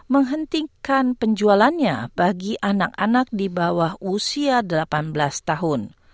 menghentikan penjualannya bagi anak anak di bawah usia delapan belas tahun